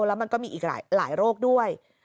แล้วมันก็มีอีกหลายโรคด้วย